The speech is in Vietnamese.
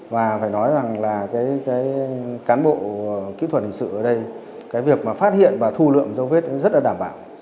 và phải nói rằng là cái cán bộ kỹ thuật hình sự ở đây cái việc mà phát hiện và thu lượm dấu vết rất là đảm bảo